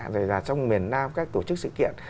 rồi là trong miền nam các tổ chức sự kiện